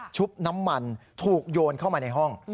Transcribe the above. บน้ำมันถูกโยนเข้ามาในห้อง